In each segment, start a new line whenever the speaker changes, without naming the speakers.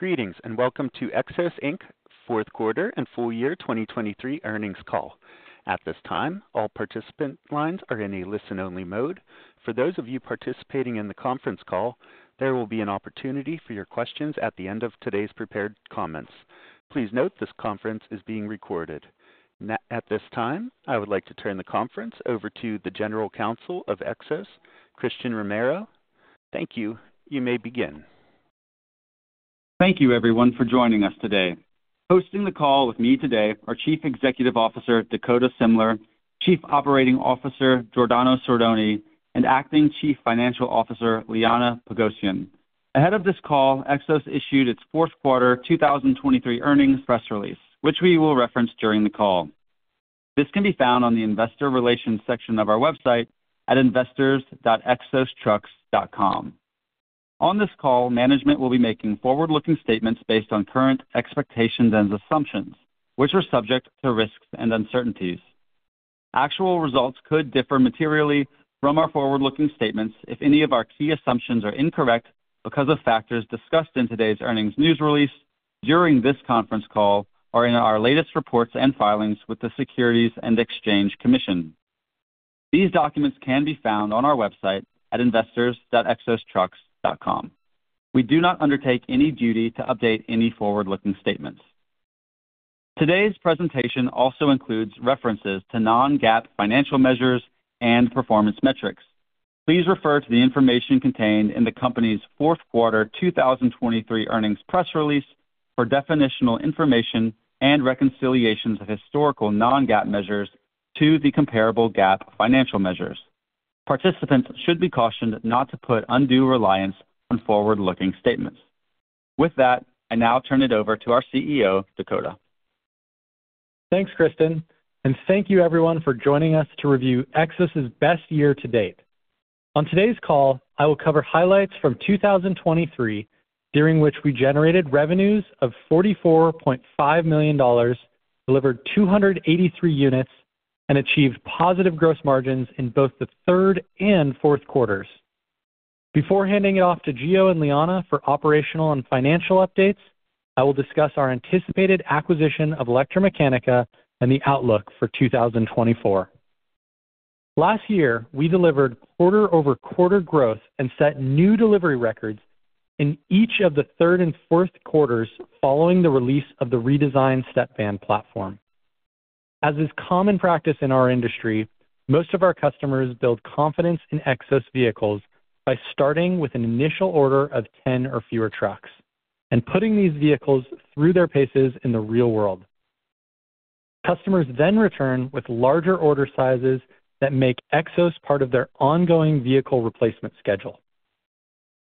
Greetings and welcome to Xos, Inc. Fourth Quarter and Full Year 2023 Earnings Call. At this time, all participant lines are in a listen-only mode. For those of you participating in the conference call, there will be an opportunity for your questions at the end of today's prepared comments. Please note this conference is being recorded. At this time, I would like to turn the conference over to the General Counsel of Xos, Inc., Christen Romero. Thank you. You may begin.
Thank you, everyone, for joining us today. Hosting the call with me today are Chief Executive Officer Dakota Semler, Chief Operating Officer Giordano Sordoni, and Acting Chief Financial Officer Liana Pogosyan. Ahead of this call, Xos issued its fourth quarter 2023 earnings press release, which we will reference during the call. This can be found on the Investor Relations section of our website at investors.xosinc.com. On this call, management will be making forward-looking statements based on current expectations and assumptions, which are subject to risks and uncertainties. Actual results could differ materially from our forward-looking statements if any of our key assumptions are incorrect because of factors discussed in today's earnings news release, during this conference call, or in our latest reports and filings with the Securities and Exchange Commission. These documents can be found on our website at investors.xosinc.com. We do not undertake any duty to update any forward-looking statements. Today's presentation also includes references to non-GAAP financial measures and performance metrics. Please refer to the information contained in the company's fourth quarter 2023 earnings press release for definitional information and reconciliations of historical non-GAAP measures to the comparable GAAP financial measures. Participants should be cautioned not to put undue reliance on forward-looking statements. With that, I now turn it over to our CEO, Dakota.
Thanks, Christen. And thank you, everyone, for joining us to review Xos's best year to date. On today's call, I will cover highlights from 2023, during which we generated revenues of $44.5 million, delivered 283 units, and achieved positive gross margins in both the third and fourth quarters. Before handing it off to Gio and Liana for operational and financial updates, I will discuss our anticipated acquisition of ElectraMeccanica and the outlook for 2024. Last year, we delivered quarter-over-quarter growth and set new delivery records in each of the third and fourth quarters following the release of the redesigned Stepvan platform. As is common practice in our industry, most of our customers build confidence in Xos vehicles by starting with an initial order of 10 or fewer trucks and putting these vehicles through their paces in the real world. Customers then return with larger order sizes that make Xos part of their ongoing vehicle replacement schedule.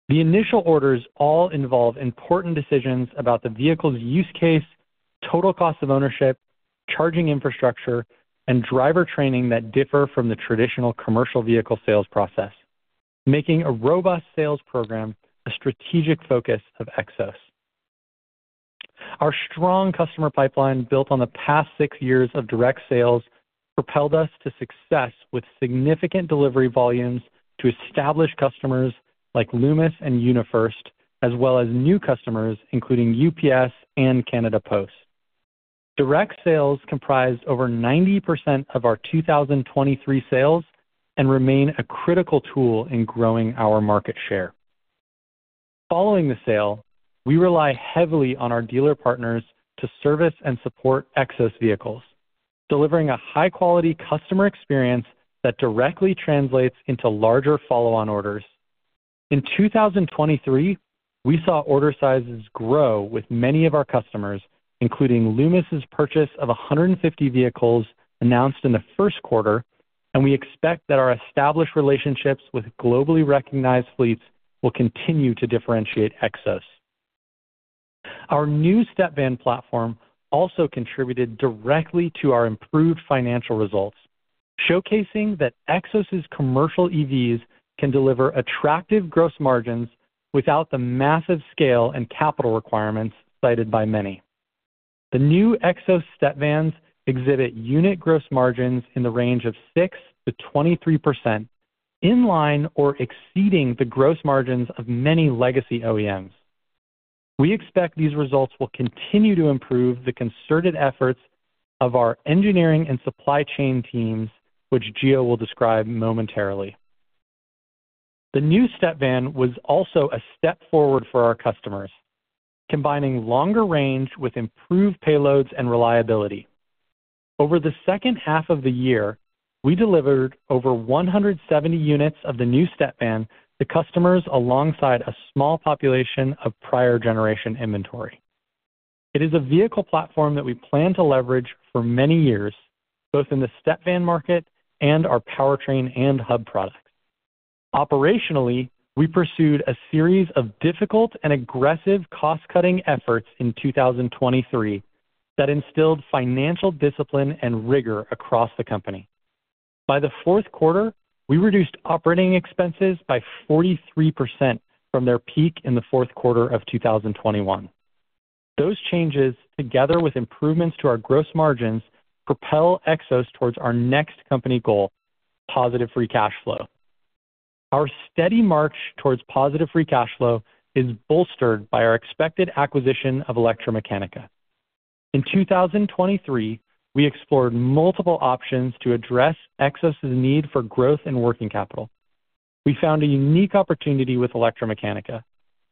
The initial orders all involve important decisions about the vehicle's use case, total cost of ownership, charging infrastructure, and driver training that differ from the traditional commercial vehicle sales process, making a robust sales program a strategic focus of Xos. Our strong customer pipeline built on the past six years of direct sales propelled us to success with significant delivery volumes to established customers like Loomis and UniFirst, as well as new customers including UPS and Canada Post. Direct sales comprise over 90% of our 2023 sales and remain a critical tool in growing our market share. Following the sale, we rely heavily on our dealer partners to service and support Xos vehicles, delivering a high-quality customer experience that directly translates into larger follow-on orders. In 2023, we saw order sizes grow with many of our customers, including Loomis's purchase of 150 vehicles announced in the first quarter, and we expect that our established relationships with globally recognized fleets will continue to differentiate Xos. Our new StepVan platform also contributed directly to our improved financial results, showcasing that Xos's commercial EVs can deliver attractive gross margins without the massive scale and capital requirements cited by many. The new Xos StepVans exhibit unit gross margins in the range of 6%-23%, in line or exceeding the gross margins of many legacy OEMs. We expect these results will continue to improve the concerted efforts of our engineering and supply chain teams, which Gio will describe momentarily. The new StepVan was also a step forward for our customers, combining longer range with improved payloads and reliability. Over the second half of the year, we delivered over 170 units of the new Stepvan to customers alongside a small population of prior generation inventory. It is a vehicle platform that we plan to leverage for many years, both in the Stepvan market and our powertrain and hub products. Operationally, we pursued a series of difficult and aggressive cost-cutting efforts in 2023 that instilled financial discipline and rigor across the company. By the fourth quarter, we reduced operating expenses by 43% from their peak in the fourth quarter of 2021. Those changes, together with improvements to our gross margins, propel Xos towards our next company goal, positive free cash flow. Our steady march towards positive free cash flow is bolstered by our expected acquisition of ElectraMeccanica. In 2023, we explored multiple options to address Xos's need for growth and working capital. We found a unique opportunity with ElectraMeccanica.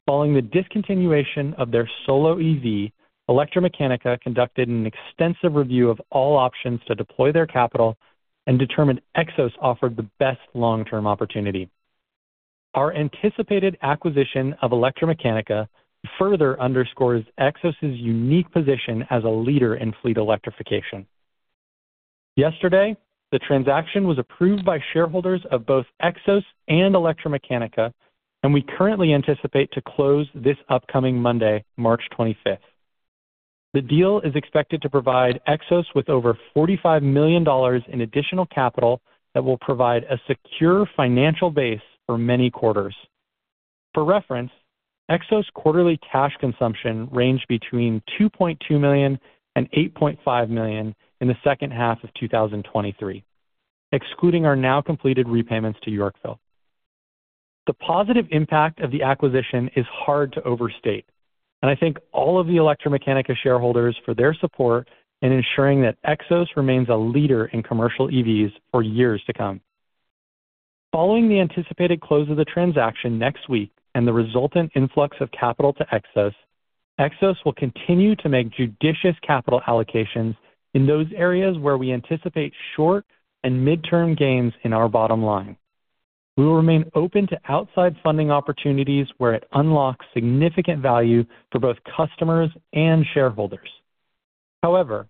Following the discontinuation of their Solo EV, ElectraMeccanica conducted an extensive review of all options to deploy their capital and determined Xos offered the best long-term opportunity. Our anticipated acquisition of ElectraMeccanica further underscores Xos's unique position as a leader in fleet electrification. Yesterday, the transaction was approved by shareholders of both Xos and ElectraMeccanica, and we currently anticipate to close this upcoming Monday, March 25th. The deal is expected to provide Xos with over $45 million in additional capital that will provide a secure financial base for many quarters. For reference, Xos's quarterly cash consumption ranged between $2.2 million and $8.5 million in the second half of 2023, excluding our now completed repayments to Yorkville. The positive impact of the acquisition is hard to overstate, and I thank all of the ElectraMeccanica shareholders for their support in ensuring that Xos remains a leader in commercial EVs for years to come. Following the anticipated close of the transaction next week and the resultant influx of capital to Xos, Xos will continue to make judicious capital allocations in those areas where we anticipate short and mid-term gains in our bottom line. We will remain open to outside funding opportunities where it unlocks significant value for both customers and shareholders. However,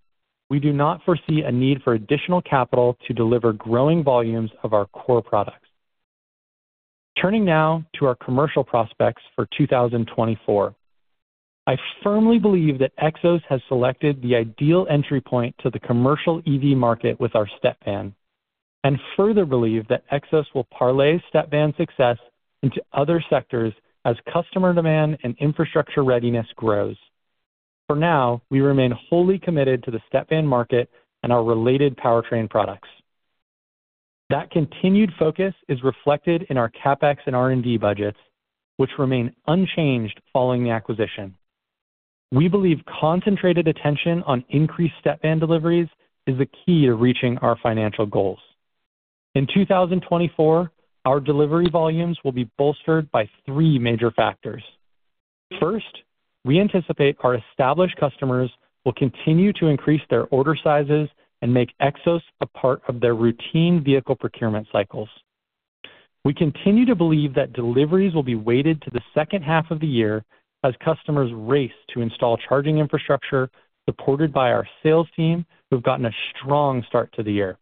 we do not foresee a need for additional capital to deliver growing volumes of our core products. Turning now to our commercial prospects for 2024, I firmly believe that Xos has selected the ideal entry point to the commercial EV market with our StepVan, and further believe that Xos will parlay StepVan success into other sectors as customer demand and infrastructure readiness grows. For now, we remain wholly committed to the StepVan market and our related powertrain products. That continued focus is reflected in our CapEx and R&D budgets, which remain unchanged following the acquisition. We believe concentrated attention on increased StepVan deliveries is the key to reaching our financial goals. In 2024, our delivery volumes will be bolstered by three major factors. First, we anticipate our established customers will continue to increase their order sizes and make Xos a part of their routine vehicle procurement cycles. We continue to believe that deliveries will be weighted to the second half of the year as customers race to install charging infrastructure supported by our sales team who've gotten a strong start to the year.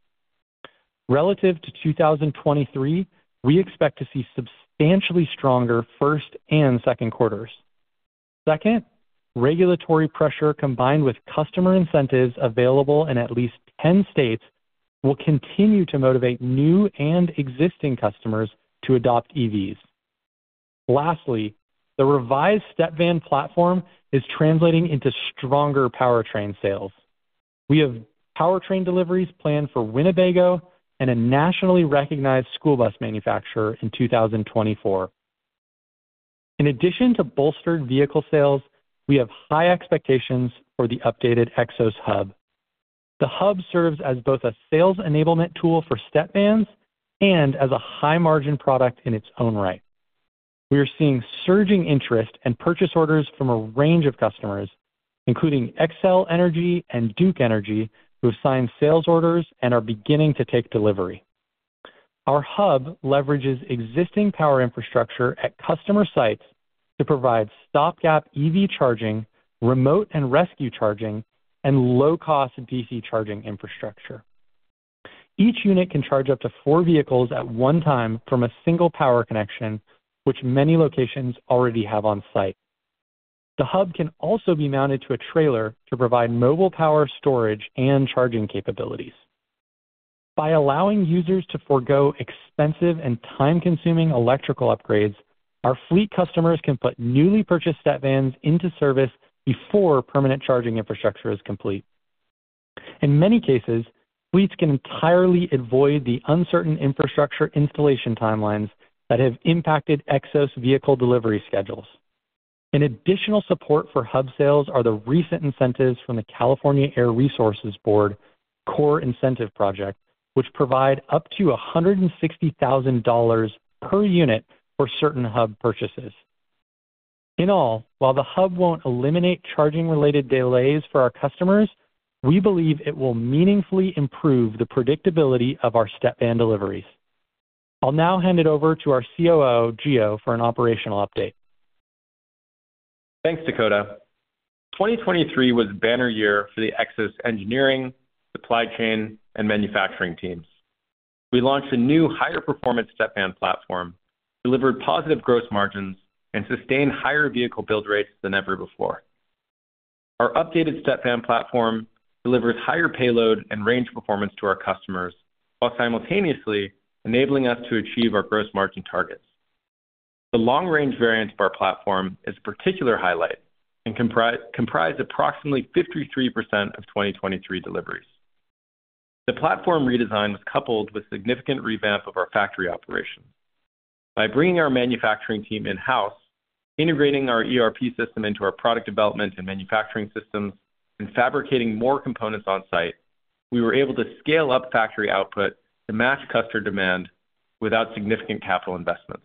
Relative to 2023, we expect to see substantially stronger first and second quarters. Second, regulatory pressure combined with customer incentives available in at least 10 states will continue to motivate new and existing customers to adopt EVs. Lastly, the revised StepVan platform is translating into stronger powertrain sales. We have powertrain deliveries planned for Winnebago and a nationally recognized school bus manufacturer in 2024. In addition to bolstered vehicle sales, we have high expectations for the updated Xos Hub. The hub serves as both a sales enablement tool for StepVans and as a high-margin product in its own right. We are seeing surging interest and purchase orders from a range of customers, including Xcel Energy and Duke Energy, who have signed sales orders and are beginning to take delivery. Our hub leverages existing power infrastructure at customer sites to provide stop-gap EV charging, remote and rescue charging, and low-cost DC charging infrastructure. Each unit can charge up to four vehicles at one time from a single power connection, which many locations already have on site. The hub can also be mounted to a trailer to provide mobile power storage and charging capabilities. By allowing users to forgo expensive and time-consuming electrical upgrades, our fleet customers can put newly purchased Stepvans into service before permanent charging infrastructure is complete. In many cases, fleets can entirely avoid the uncertain infrastructure installation timelines that have impacted Xos vehicle delivery schedules. In additional support for hub sales are the recent incentives from the California Air Resources Board CORE Incentive Project, which provide up to $160,000 per unit for certain hub purchases. In all, while the hub won't eliminate charging-related delays for our customers, we believe it will meaningfully improve the predictability of our StepVan deliveries. I'll now hand it over to our COO, Gio, for an operational update.
Thanks, Dakota. 2023 was a banner year for the Xos engineering, supply chain, and manufacturing teams. We launched a new higher-performance Stepvan platform, delivered positive gross margins, and sustained higher vehicle build rates than ever before. Our updated Stepvan platform delivers higher payload and range performance to our customers while simultaneously enabling us to achieve our gross margin targets. The long-range variant of our platform is a particular highlight and comprised approximately 53% of 2023 deliveries. The platform redesign was coupled with significant revamp of our factory operations. By bringing our manufacturing team in-house, integrating our ERP system into our product development and manufacturing systems, and fabricating more components on site, we were able to scale up factory output to match customer demand without significant capital investments.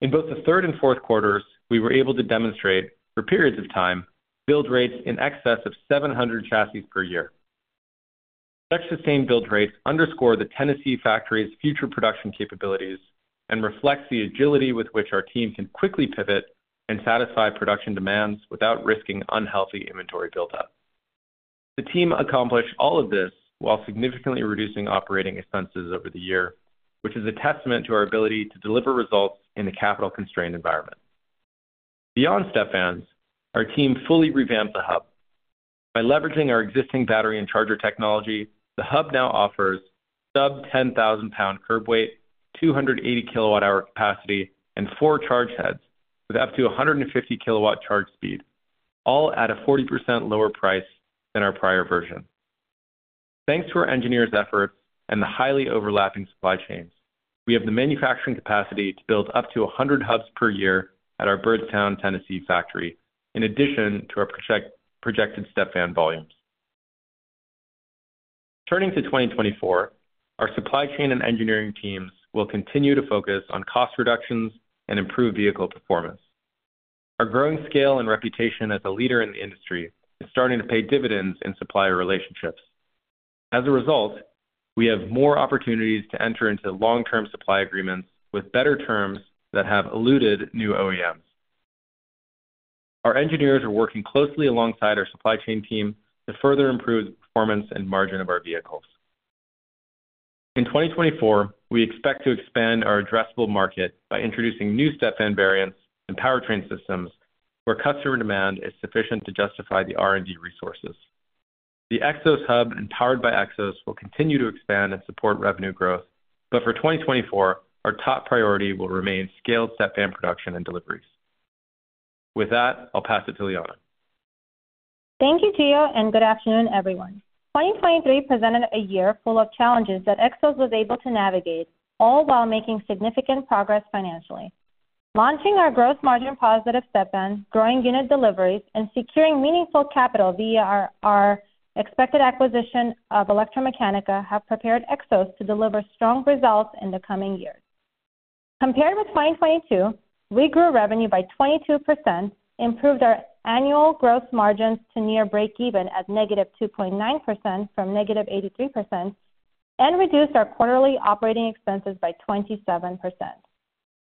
In both the third and fourth quarters, we were able to demonstrate, for periods of time, build rates in excess of 700 chassis per year. Such sustained build rates underscore the Tennessee factory's future production capabilities and reflect the agility with which our team can quickly pivot and satisfy production demands without risking unhealthy inventory buildup. The team accomplished all of this while significantly reducing operating expenses over the year, which is a testament to our ability to deliver results in a capital-constrained environment. Beyond Stepvans, our team fully revamped the hub. By leveraging our existing battery and charger technology, the hub now offers sub-10,000-pound curb weight, 280 kWh capacity, and four charge heads with up to 150 kW charge speed, all at a 40% lower price than our prior version. Thanks to our engineers' efforts and the highly overlapping supply chains, we have the manufacturing capacity to build up to 100 hubs per year at our Byrdstown, Tennessee factory, in addition to our projected StepVan volumes. Turning to 2024, our supply chain and engineering teams will continue to focus on cost reductions and improved vehicle performance. Our growing scale and reputation as a leader in the industry is starting to pay dividends in supplier relationships. As a result, we have more opportunities to enter into long-term supply agreements with better terms that have eluded new OEMs. Our engineers are working closely alongside our supply chain team to further improve the performance and margin of our vehicles. In 2024, we expect to expand our addressable market by introducing new StepVan variants and powertrain systems where customer demand is sufficient to justify the R&D resources. The Xos Hub, and Powered by Xos, will continue to expand and support revenue growth, but for 2024, our top priority will remain scaled StepVan production and deliveries. With that, I'll pass it to Liana.
Thank you, Gio, and good afternoon, everyone. 2023 presented a year full of challenges that Xos was able to navigate, all while making significant progress financially. Launching our gross margin positive Stepvan, growing unit deliveries, and securing meaningful capital via our expected acquisition of ElectraMeccanica have prepared Xos to deliver strong results in the coming years. Compared with 2022, we grew revenue by 22%, improved our annual gross margins to near break-even at -2.9% from -83%, and reduced our quarterly operating expenses by 27%.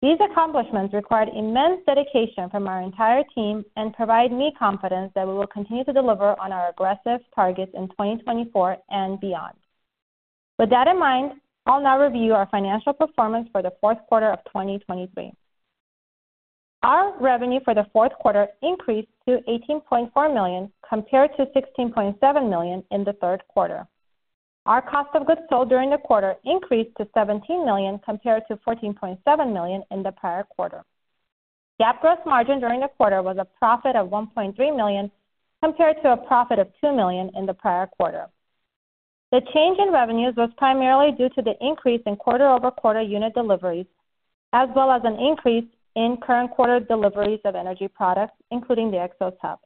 These accomplishments required immense dedication from our entire team and provide me confidence that we will continue to deliver on our aggressive targets in 2024 and beyond. With that in mind, I'll now review our financial performance for the fourth quarter of 2023. Our revenue for the fourth quarter increased to $18.4 million compared to $16.7 million in the third quarter. Our cost of goods sold during the quarter increased to $17 million compared to $14.7 million in the prior quarter. GAAP gross margin during the quarter was a profit of $1.3 million compared to a profit of $2 million in the prior quarter. The change in revenues was primarily due to the increase in quarter-over-quarter unit deliveries, as well as an increase in current quarter deliveries of energy products, including the Xos Hub.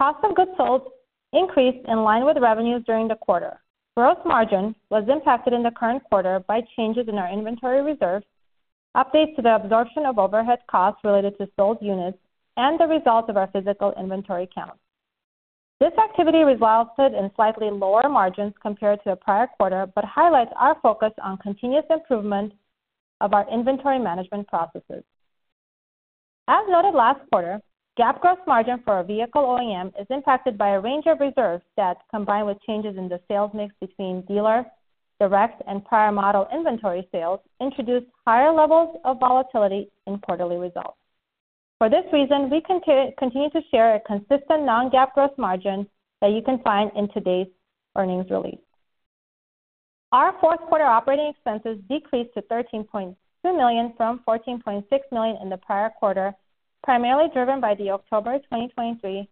Cost of goods sold increased in line with revenues during the quarter. Gross margin was impacted in the current quarter by changes in our inventory reserves, updates to the absorption of overhead costs related to sold units, and the results of our physical inventory count. This activity resulted in slightly lower margins compared to the prior quarter but highlights our focus on continuous improvement of our inventory management processes. As noted last quarter, GAAP gross margin for a vehicle OEM is impacted by a range of reserves that, combined with changes in the sales mix between dealer, direct, and prior model inventory sales, introduced higher levels of volatility in quarterly results. For this reason, we continue to share a consistent non-GAAP gross margin that you can find in today's earnings release. Our fourth quarter operating expenses decreased to $13.2 million from $14.6 million in the prior quarter, primarily driven by the October 2023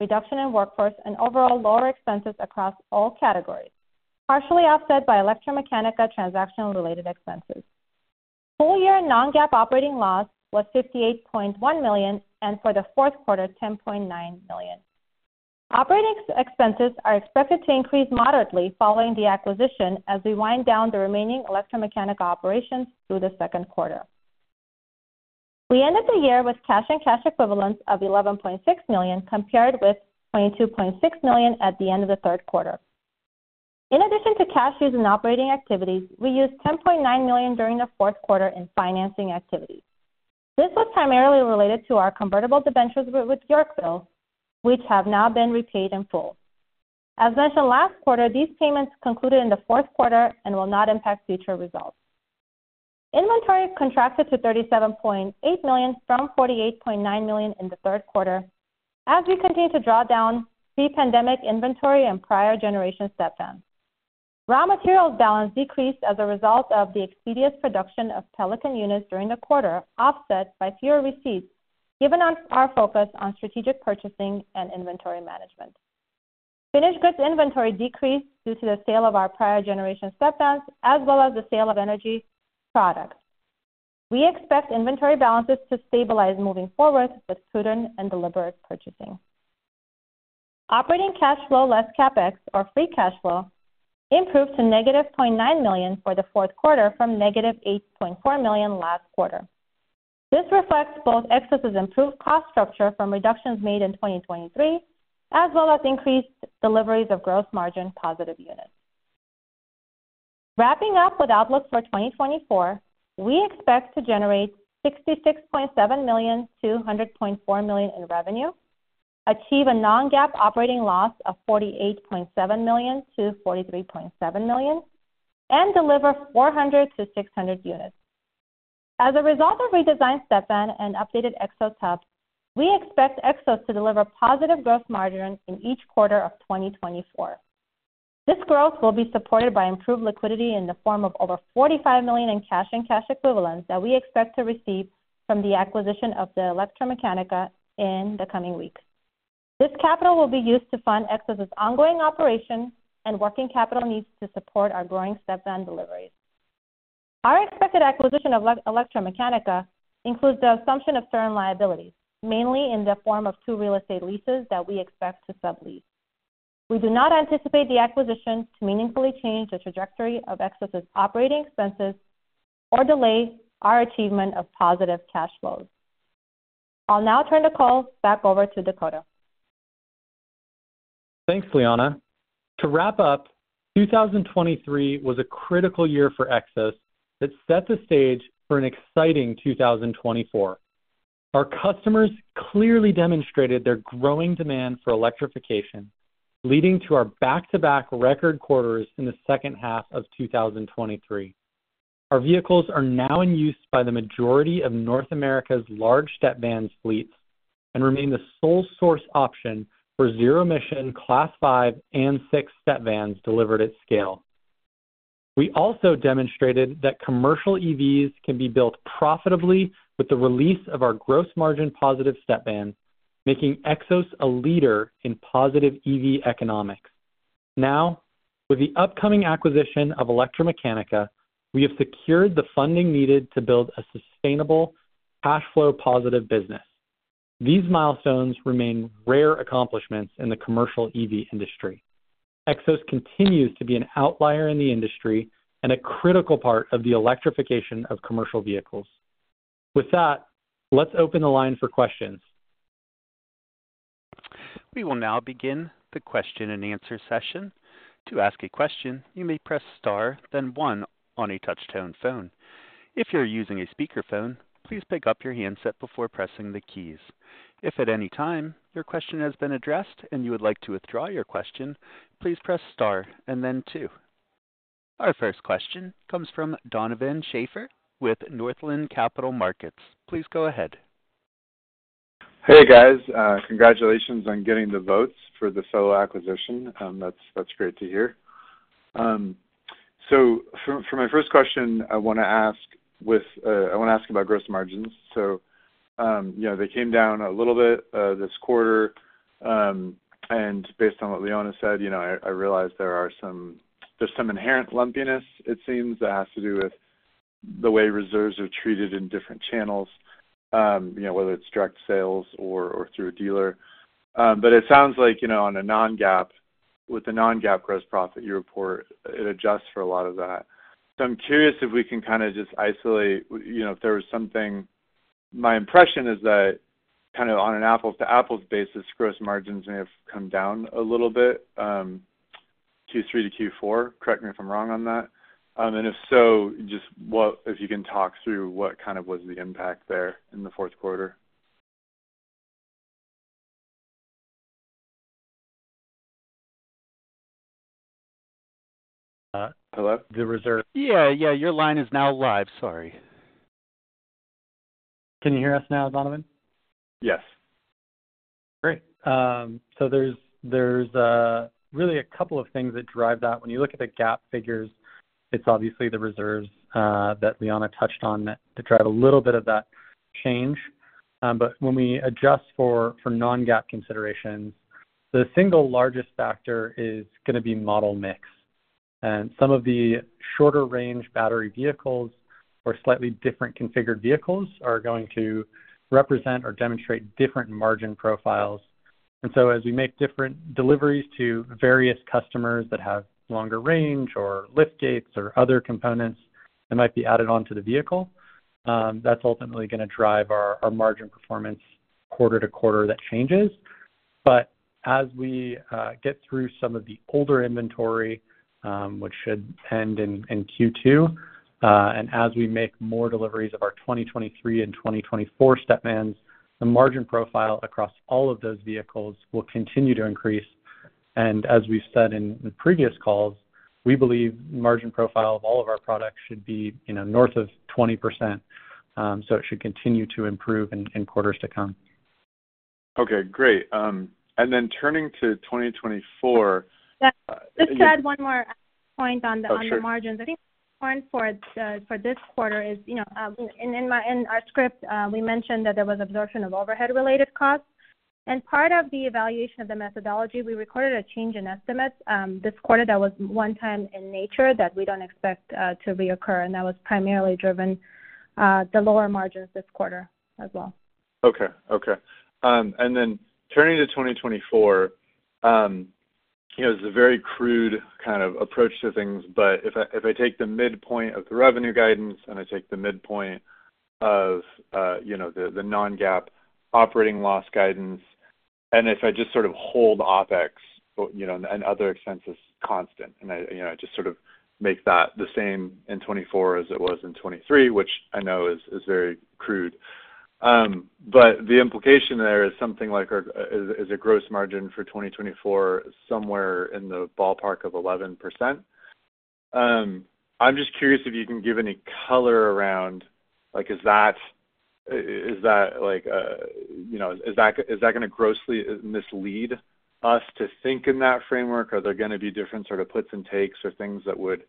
reduction in workforce and overall lower expenses across all categories, partially offset by ElectraMeccanica transactional-related expenses. Full-year non-GAAP operating loss was $58.1 million and for the fourth quarter, $10.9 million. Operating expenses are expected to increase moderately following the acquisition as we wind down the remaining ElectraMeccanica operations through the second quarter. We ended the year with cash and cash equivalents of $11.6 million compared with $22.6 million at the end of the third quarter. In addition to cash use and operating activities, we used $10.9 million during the fourth quarter in financing activities. This was primarily related to our convertible debentures with Yorkville, which have now been repaid in full. As mentioned last quarter, these payments concluded in the fourth quarter and will not impact future results. Inventory contracted to $37.8 million from $48.9 million in the third quarter as we continue to draw down pre-pandemic inventory and prior generation Stepvans. Raw materials balance decreased as a result of the expeditious production of Stepvan units during the quarter, offset by fewer receipts given our focus on strategic purchasing and inventory management. Finished goods inventory decreased due to the sale of our prior generation StepVans as well as the sale of energy products. We expect inventory balances to stabilize moving forward with prudent and deliberate purchasing. Operating cash flow, less CapEx or free cash flow, improved to -$0.9 million for the fourth quarter from -$8.4 million last quarter. This reflects both Xos's improved cost structure from reductions made in 2023 as well as increased deliveries of gross margin positive units. Wrapping up with outlooks for 2024, we expect to generate $66.7 million-$100.4 million in revenue, achieve a non-GAAP operating loss of $48.7 million-$43.7 million, and deliver 400-600 units. As a result of redesigned StepVan and updated Xos hubs, we expect Xos to deliver positive gross margin in each quarter of 2024. This growth will be supported by improved liquidity in the form of over $45 million in cash and cash equivalents that we expect to receive from the acquisition of ElectraMeccanica in the coming weeks. This capital will be used to fund Xos's ongoing operation and working capital needs to support our growing StepVan deliveries. Our expected acquisition of ElectraMeccanica includes the assumption of certain liabilities, mainly in the form of two real estate leases that we expect to sublease. We do not anticipate the acquisition to meaningfully change the trajectory of Xos's operating expenses or delay our achievement of positive cash flows. I'll now turn the call back over to Dakota.
Thanks, Liana. To wrap up, 2023 was a critical year for Xos that set the stage for an exciting 2024. Our customers clearly demonstrated their growing demand for electrification, leading to our back-to-back record quarters in the second half of 2023. Our vehicles are now in use by the majority of North America's large StepVan fleets and remain the sole source option for zero-emission Class 5 and 6 StepVans delivered at scale. We also demonstrated that commercial EVs can be built profitably with the release of our gross margin positive StepVan, making Xos a leader in positive EV economics. Now, with the upcoming acquisition of ElectraMeccanica, we have secured the funding needed to build a sustainable, cash flow positive business. These milestones remain rare accomplishments in the commercial EV industry. Xos continues to be an outlier in the industry and a critical part of the electrification of commercial vehicles. With that, let's open the line for questions.
We will now begin the question and answer session. To ask a question, you may press star, then one on a touch-tone phone. If you're using a speakerphone, please pick up your handset before pressing the keys. If at any time your question has been addressed and you would like to withdraw your question, please press star and then two. Our first question comes from Donovan Schafer with Northland Capital Markets. Please go ahead.
Hey, guys. Congratulations on getting the votes for the ElectraMeccanica acquisition. That's great to hear. So for my first question, I want to ask about gross margins. So they came down a little bit this quarter, and based on what Liana said, I realized there's some inherent lumpiness, it seems, that has to do with the way reserves are treated in different channels, whether it's direct sales or through a dealer. But it sounds like on a non-GAAP basis with the non-GAAP gross profit you report, it adjusts for a lot of that. So I'm curious if we can kind of just isolate if there was something. My impression is that kind of on an apples-to-apples basis, gross margins may have come down a little bit Q3 to Q4. Correct me if I'm wrong on that. If so, just if you can talk through what kind of was the impact there in the fourth quarter.
Hello?
The reserve.
Yeah, yeah. Your line is now live. Sorry.
Can you hear us now, Donovan? Yes.
Great. So there's really a couple of things that drive that. When you look at the GAAP figures, it's obviously the reserves that Liana touched on that drive a little bit of that change. But when we adjust for non-GAAP considerations, the single largest factor is going to be model mix. And some of the shorter-range battery vehicles or slightly different-configured vehicles are going to represent or demonstrate different margin profiles. And so as we make different deliveries to various customers that have longer range or lift gates or other components that might be added onto the vehicle, that's ultimately going to drive our margin performance quarter to quarter that changes. But as we get through some of the older inventory, which should end in Q2, and as we make more deliveries of our 2023 and 2024 StepVans, the margin profile across all of those vehicles will continue to increase.
As we've said in previous calls, we believe the margin profile of all of our products should be north of 20%. It should continue to improve in quarters to come. Okay, great. Then turning to 2024.
Just to add one more point on the margins. I think one point for this quarter is in our script; we mentioned that there was absorption of overhead-related costs. Part of the evaluation of the methodology, we recorded a change in estimates this quarter that was one-time in nature that we don't expect to reoccur. That was primarily driven the lower margins this quarter as well.
Okay, okay. And then turning to 2024, it was a very crude kind of approach to things. But if I take the midpoint of the revenue guidance and I take the midpoint of the non-GAAP operating loss guidance, and if I just sort of hold OpEx and other expenses constant, and I just sort of make that the same in 2024 as it was in 2023, which I know is very crude. But the implication there is something like is a gross margin for 2024 somewhere in the ballpark of 11%. I'm just curious if you can give any color around is that going to grossly mislead us to think in that framework? Are there going to be different sort of puts and takes or things that would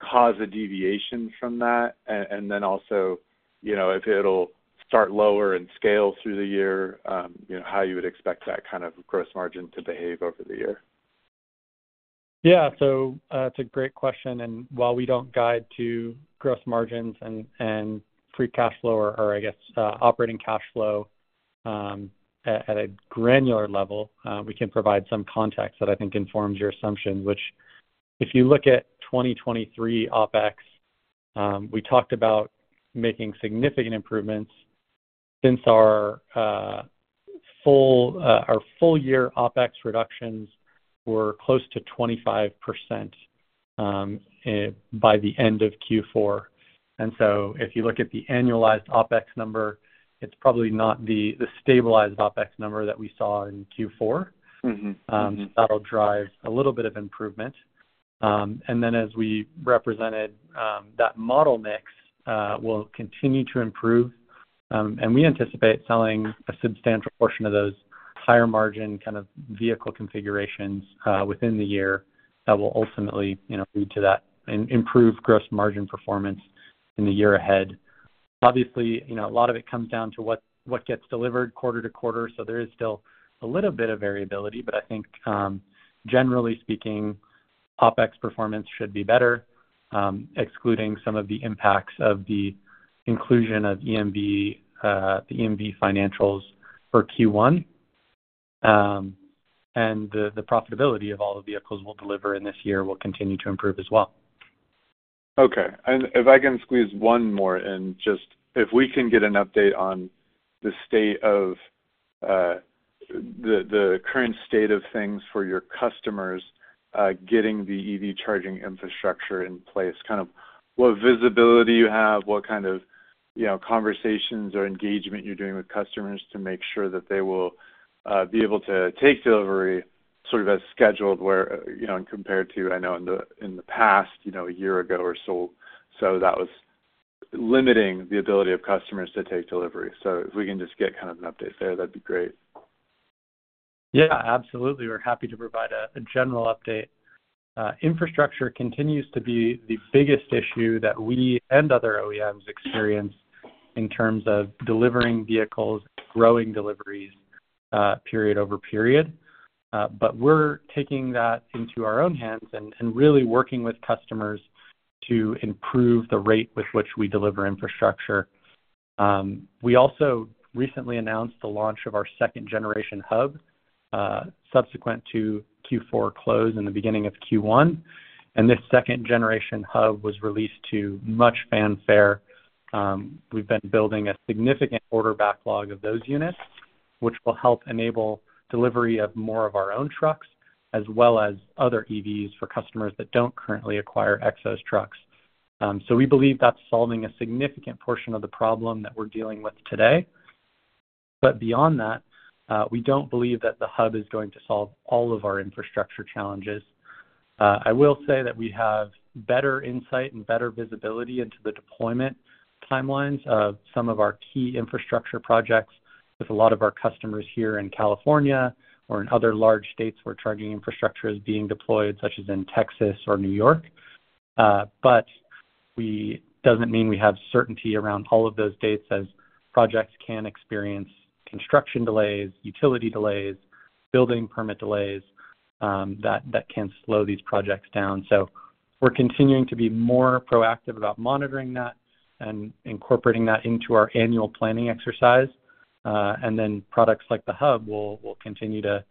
cause a deviation from that? And then also, if it'll start lower and scale through the year, how you would expect that kind of gross margin to behave over the year?
Yeah, so that's a great question. While we don't guide to gross margins and free cash flow or, I guess, operating cash flow at a granular level, we can provide some context that I think informs your assumptions. Which if you look at 2023 OpEx, we talked about making significant improvements since our full-year OpEx reductions were close to 25% by the end of Q4. So if you look at the annualized OpEx number, it's probably not the stabilized OpEx number that we saw in Q4. So that'll drive a little bit of improvement. Then as we represented, that model mix will continue to improve. And we anticipate selling a substantial portion of those higher-margin kind of vehicle configurations within the year that will ultimately lead to that improved gross margin performance in the year ahead. Obviously, a lot of it comes down to what gets delivered quarter to quarter. There is still a little bit of variability. I think, generally speaking, OpEx performance should be better, excluding some of the impacts of the inclusion of EMV financials for Q1. The profitability of all the vehicles we'll deliver in this year will continue to improve as well.
Okay. And if I can squeeze one more in, just if we can get an update on the state of the current state of things for your customers getting the EV charging infrastructure in place, kind of what visibility you have, what kind of conversations or engagement you're doing with customers to make sure that they will be able to take delivery sort of as scheduled where and compared to, I know, in the past, a year ago or so, that was limiting the ability of customers to take delivery. So if we can just get kind of an update there, that'd be great.
Yeah, absolutely. We're happy to provide a general update. Infrastructure continues to be the biggest issue that we and other OEMs experience in terms of delivering vehicles, growing deliveries, period over period. But we're taking that into our own hands and really working with customers to improve the rate with which we deliver infrastructure. We also recently announced the launch of our second-generation hub subsequent to Q4 close in the beginning of Q1. This second-generation hub was released to much fanfare. We've been building a significant order backlog of those units, which will help enable delivery of more of our own trucks as well as other EVs for customers that don't currently acquire Xos trucks. So we believe that's solving a significant portion of the problem that we're dealing with today. But beyond that, we don't believe that the hub is going to solve all of our infrastructure challenges. I will say that we have better insight and better visibility into the deployment timelines of some of our key infrastructure projects with a lot of our customers here in California or in other large states where charging infrastructure is being deployed, such as in Texas or New York. It doesn't mean we have certainty around all of those dates as projects can experience construction delays, utility delays, building permit delays that can slow these projects down. We're continuing to be more proactive about monitoring that and incorporating that into our annual planning exercise. Then products like the hub will continue to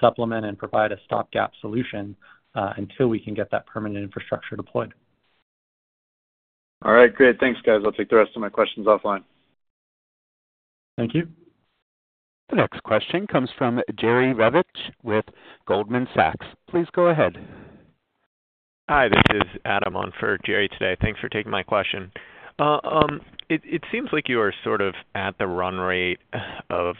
supplement and provide a stop-gap solution until we can get that permanent infrastructure deployed.
All right, great. Thanks, guys. I'll take the rest of my questions offline.
Thank you.
The next question comes from Jerry Revich with Goldman Sachs. Please go ahead.
Hi, this is Adam on for Jerry today. Thanks for taking my question. It seems like you are sort of at the run rate of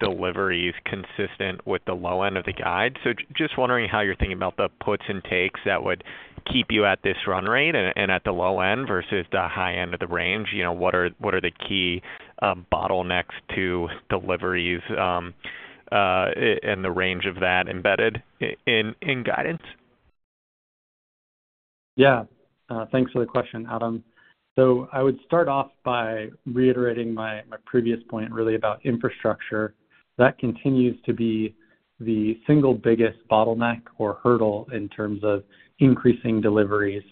deliveries consistent with the low end of the guide. So just wondering how you're thinking about the puts and takes that would keep you at this run rate and at the low end versus the high end of the range. What are the key bottlenecks to deliveries and the range of that embedded in guidance? Yeah. Thanks for the question, Adam. So I would start off by reiterating my previous point, really, about infrastructure. That continues to be the single biggest bottleneck or hurdle in terms of increasing deliveries.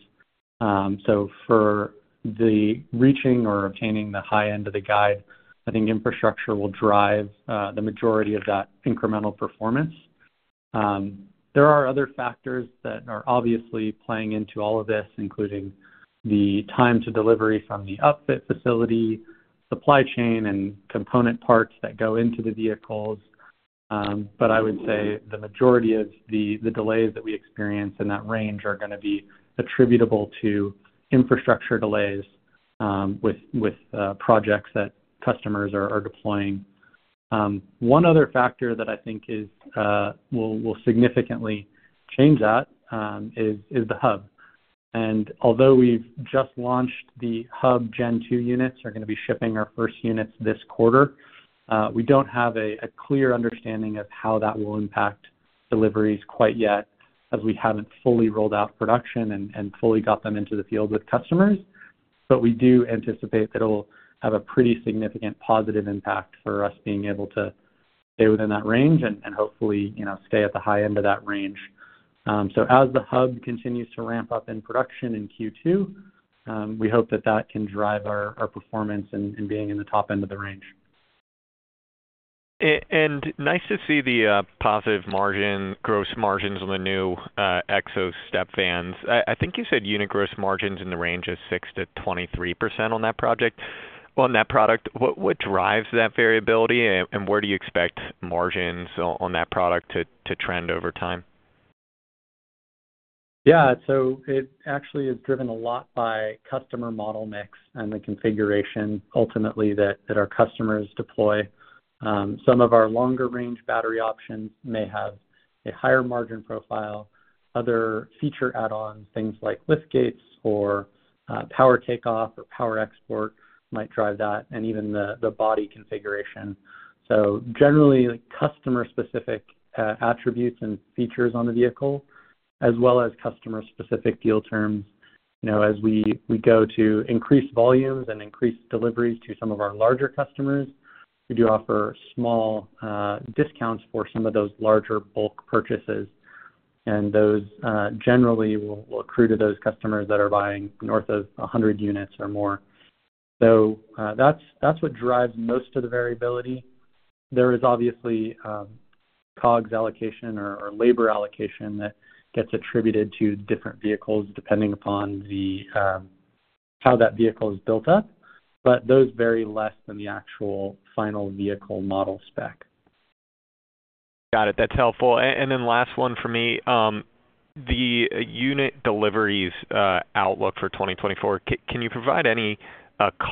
So for reaching or obtaining the high end of the guide, I think infrastructure will drive the majority of that incremental performance. There are other factors that are obviously playing into all of this, including the time to delivery from the outfit facility, supply chain, and component parts that go into the vehicles. But I would say the majority of the delays that we experience in that range are going to be attributable to infrastructure delays with projects that customers are deploying. One other factor that I think will significantly change that is the hub. And although we've just launched, the hub Gen 2 units are going to be shipping our first units this quarter. We don't have a clear understanding of how that will impact deliveries quite yet as we haven't fully rolled out production and fully got them into the field with customers. But we do anticipate that it'll have a pretty significant positive impact for us being able to stay within that range and hopefully stay at the high end of that range. So as the hub continues to ramp up in production in Q2, we hope that that can drive our performance in being in the top end of the range.
Nice to see the positive gross margins on the new Xos StepVans. I think you said unit gross margins in the range of 6%-23% on that product. What drives that variability? And where do you expect margins on that product to trend over time?
Yeah. So it actually is driven a lot by customer model mix and the configuration, ultimately, that our customers deploy. Some of our longer-range battery options may have a higher margin profile. Other feature add-ons, things like lift gates or power takeoff or power export, might drive that, and even the body configuration. So generally, customer-specific attributes and features on the vehicle, as well as customer-specific deal terms, as we go to increase volumes and increase deliveries to some of our larger customers, we do offer small discounts for some of those larger bulk purchases. And those generally will accrue to those customers that are buying north of 100 units or more. So that's what drives most of the variability. There is obviously COGS allocation or labor allocation that gets attributed to different vehicles depending upon how that vehicle is built up. But those vary less than the actual final vehicle model spec.
Got it. That's helpful. And then last one for me, the unit deliveries outlook for 2024, can you provide any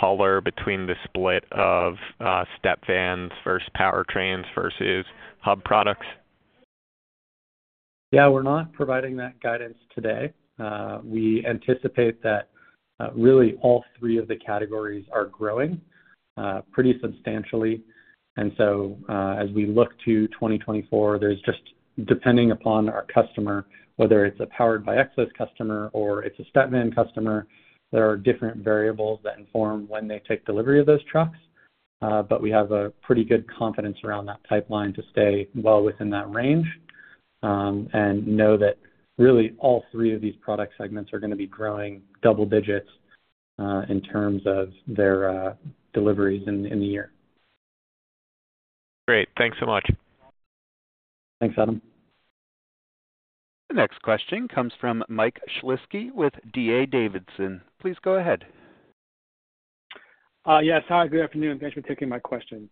color between the split of StepVans versus powertrains versus Hub products?
Yeah, we're not providing that guidance today. We anticipate that really all three of the categories are growing pretty substantially. And so as we look to 2024, there's just depending upon our customer, whether it's a Powered by Xos customer or it's a StepVan customer, there are different variables that inform when they take delivery of those trucks. But we have a pretty good confidence around that pipeline to stay well within that range and know that really all three of these product segments are going to be growing double digits in terms of their deliveries in the year.
Great. Thanks so much.
Thanks, Adam.
The next question comes from Mike Shlisky with D.A. Davidson. Please go ahead.
Yes. Hi, good afternoon. Thanks for taking my question.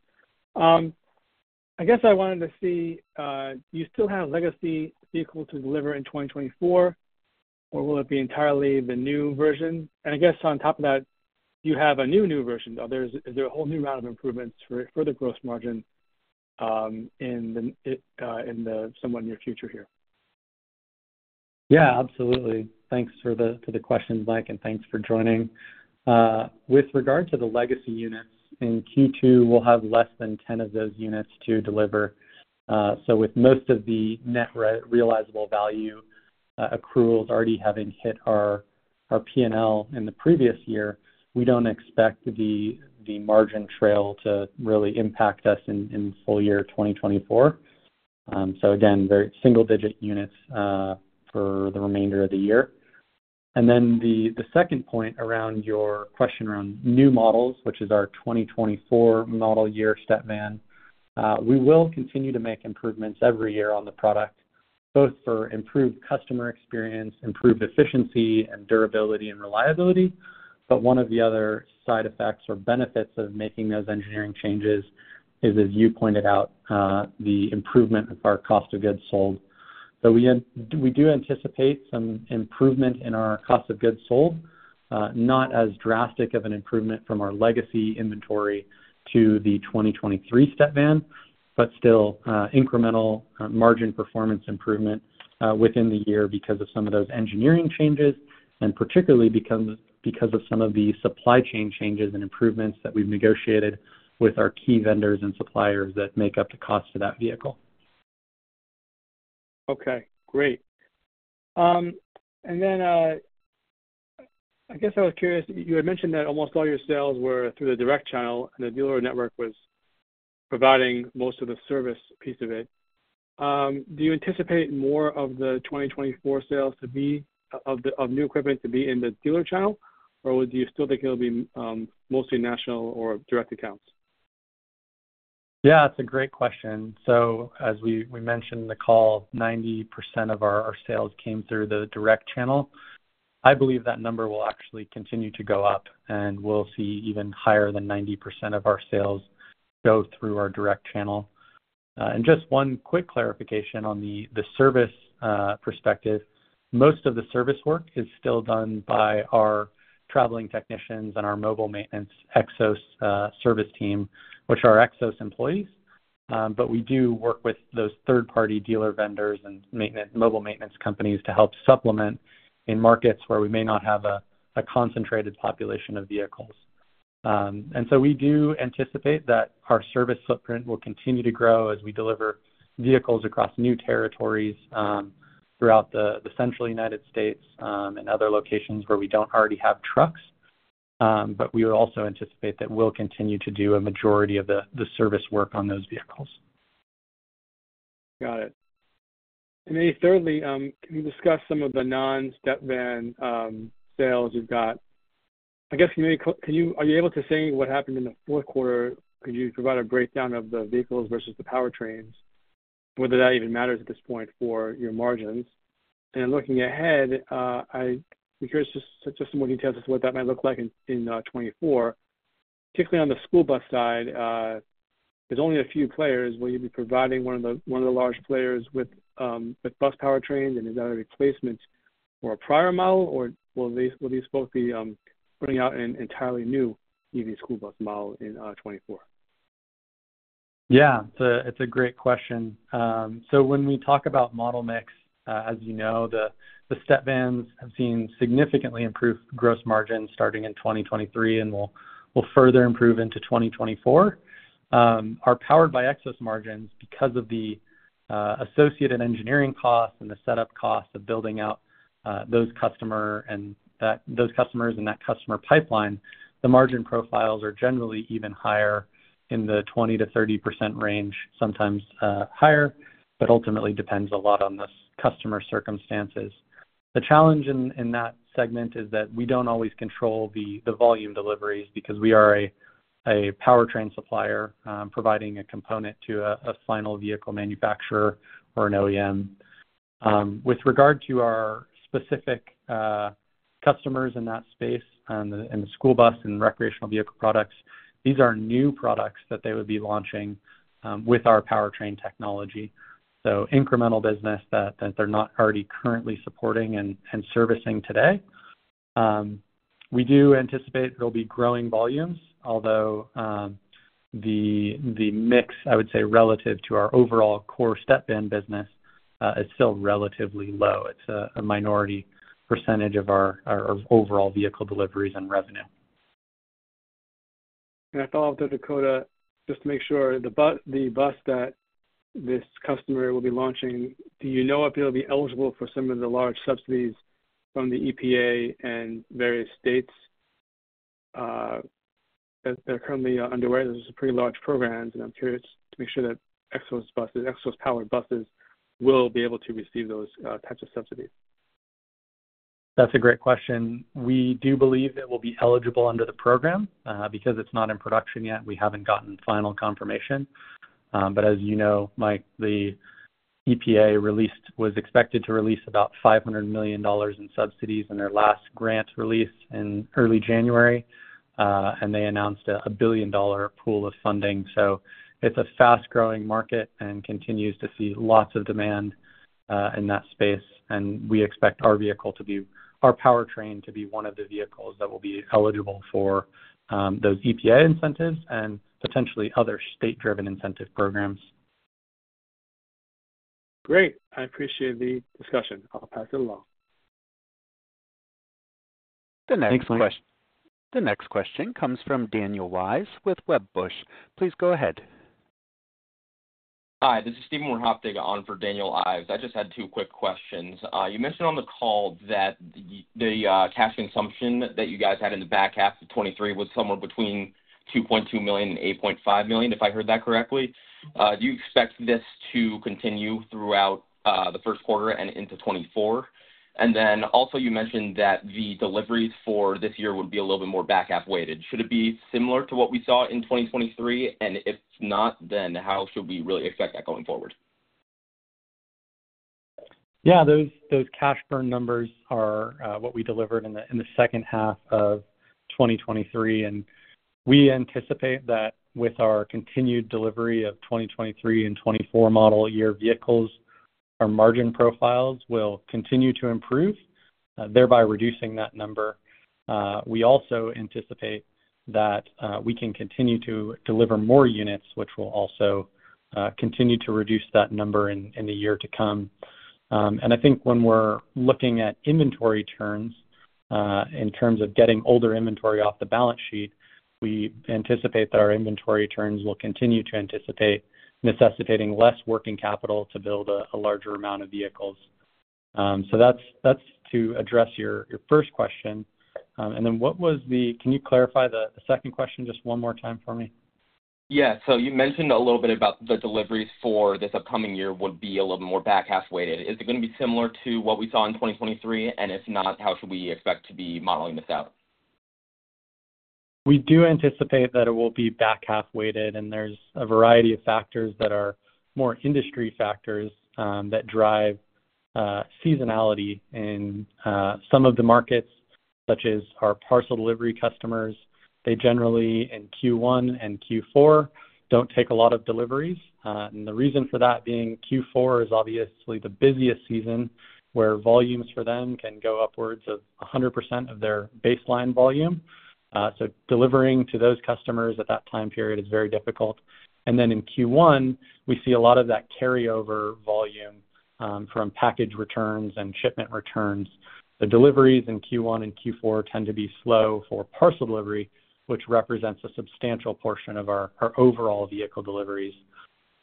I guess I wanted to see, do you still have legacy vehicles to deliver in 2024, or will it be entirely the new version? And I guess on top of that, do you have a new, new version? Is there a whole new round of improvements for the gross margin in the somewhat near future here?
Yeah, absolutely. Thanks for the questions, Mike. And thanks for joining. With regard to the legacy units, in Q2, we'll have less than 10 of those units to deliver. So with most of the net realizable value accruals already having hit our P&L in the previous year, we don't expect the margin trail to really impact us in full year 2024. So again, very single-digit units for the remainder of the year. And then the second point around your question around new models, which is our 2024 model year step van, we will continue to make improvements every year on the product, both for improved customer experience, improved efficiency, and durability and reliability. But one of the other side effects or benefits of making those engineering changes is, as you pointed out, the improvement of our cost of goods sold. So we do anticipate some improvement in our cost of goods sold, not as drastic of an improvement from our legacy inventory to the 2023 step van, but still incremental margin performance improvement within the year because of some of those engineering changes and particularly because of some of the supply chain changes and improvements that we've negotiated with our key vendors and suppliers that make up the cost of that vehicle.
Okay, great. Then I guess I was curious, you had mentioned that almost all your sales were through the direct channel, and the dealer network was providing most of the service piece of it. Do you anticipate more of the 2024 sales of new equipment to be in the dealer channel, or do you still think it'll be mostly national or direct accounts?
Yeah, that's a great question. So as we mentioned in the call, 90% of our sales came through the direct channel. I believe that number will actually continue to go up, and we'll see even higher than 90% of our sales go through our direct channel. And just one quick clarification on the service perspective, most of the service work is still done by our traveling technicians and our mobile maintenance Xos service team, which are Xos employees. But we do work with those third-party dealer vendors and mobile maintenance companies to help supplement in markets where we may not have a concentrated population of vehicles. And so we do anticipate that our service footprint will continue to grow as we deliver vehicles across new territories throughout the central United States and other locations where we don't already have trucks. But we also anticipate that we'll continue to do a majority of the service work on those vehicles.
Got it. And then thirdly, can you discuss some of the non-step van sales you've got? I guess, can you? Are you able to say what happened in the fourth quarter? Could you provide a breakdown of the vehicles versus the powertrains, and whether that even matters at this point for your margins? And then looking ahead, I'd be curious just some more details as to what that might look like in 2024. Particularly on the school bus side, there's only a few players. Will you be providing one of the large players with bus powertrains, and is that a replacement for a prior model, or will these both be putting out an entirely new EV school bus model in 2024?
Yeah, it's a great question. So when we talk about model mix, as you know, the step vans have seen significantly improved gross margins starting in 2023 and will further improve into 2024. Our Powered by Xos margins, because of the associated engineering costs and the setup costs of building out those customers and that customer pipeline, the margin profiles are generally even higher in the 20%-30% range, sometimes higher, but ultimately depends a lot on the customer circumstances. The challenge in that segment is that we don't always control the volume deliveries because we are a powertrain supplier providing a component to a final vehicle manufacturer or an OEM. With regard to our specific customers in that space and the school bus and recreational vehicle products, these are new products that they would be launching with our powertrain technology. So incremental business that they're not already currently supporting and servicing today. We do anticipate there'll be growing volumes, although the mix, I would say, relative to our overall core step van business is still relatively low. It's a minority percentage of our overall vehicle deliveries and revenue.
I thought I'll have to ask Dakota just to make sure, the bus that this customer will be launching, do you know if they'll be eligible for some of the large subsidies from the EPA and various states that are currently underway? Those are pretty large programs. I'm curious to make sure that Xos-powered buses will be able to receive those types of subsidies.
That's a great question. We do believe it will be eligible under the program because it's not in production yet. We haven't gotten final confirmation. But as you know, Mike, the EPA was expected to release about $500 million in subsidies in their last grant release in early January, and they announced a billion-dollar pool of funding. So it's a fast-growing market and continues to see lots of demand in that space. And we expect our vehicle to be our powertrain to be one of the vehicles that will be eligible for those EPA incentives and potentially other state-driven incentive programs.
Great. I appreciate the discussion. I'll pass it along.
The next question comes from Daniel Ives with Wedbush. Please go ahead.
Hi, this is Stephen Wierchoptig on for Daniel Ives. I just had two quick questions. You mentioned on the call that the cash consumption that you guys had in the back half of 2023 was somewhere between $2.2 million and $8.5 million, if I heard that correctly. Do you expect this to continue throughout the first quarter and into 2024? And then also, you mentioned that the deliveries for this year would be a little bit more back half weighted. Should it be similar to what we saw in 2023? And if not, then how should we really expect that going forward?
Yeah, those cash burn numbers are what we delivered in the second half of 2023. We anticipate that with our continued delivery of 2023 and 2024 model year vehicles, our margin profiles will continue to improve, thereby reducing that number. We also anticipate that we can continue to deliver more units, which will also continue to reduce that number in the year to come. And I think when we're looking at inventory turns in terms of getting older inventory off the balance sheet, we anticipate that our inventory turns will continue to anticipate necessitating less working capital to build a larger amount of vehicles. So that's to address your first question. And then what was the? Can you clarify the second question just one more time for me?
Yeah. So you mentioned a little bit about the deliveries for this upcoming year would be a little bit more back half weighted. Is it going to be similar to what we saw in 2023? And if not, how should we expect to be modeling this out?
We do anticipate that it will be back half weighted. There's a variety of factors that are more industry factors that drive seasonality in some of the markets, such as our parcel delivery customers. They generally, in Q1 and Q4, don't take a lot of deliveries. The reason for that being Q4 is obviously the busiest season where volumes for them can go upwards of 100% of their baseline volume. So delivering to those customers at that time period is very difficult. Then in Q1, we see a lot of that carryover volume from package returns and shipment returns. The deliveries in Q1 and Q4 tend to be slow for parcel delivery, which represents a substantial portion of our overall vehicle deliveries.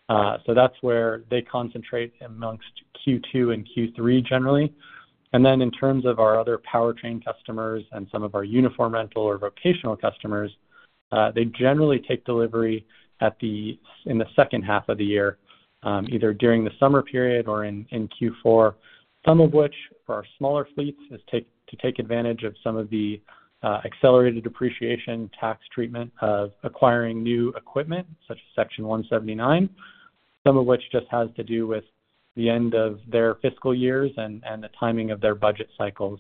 That's where they concentrate amongst Q2 and Q3, generally. And then in terms of our other powertrain customers and some of our uniform rental or vocational customers, they generally take delivery in the second half of the year, either during the summer period or in Q4, some of which for our smaller fleets is to take advantage of some of the accelerated depreciation tax treatment of acquiring new equipment, such as Section 179, some of which just has to do with the end of their fiscal years and the timing of their budget cycles.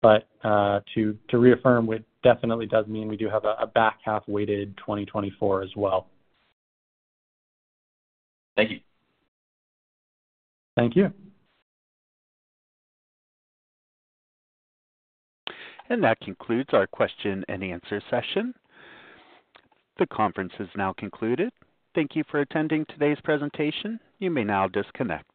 But to reaffirm, it definitely does mean we do have a back half weighted 2024 as well.
Thank you.
Thank you.
That concludes our question and answer session. The conference is now concluded. Thank you for attending today's presentation. You may now disconnect.